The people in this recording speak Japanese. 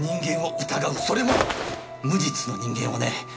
それも無実の人間をね。